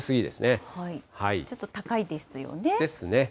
ちょっと高いですよね。ですね。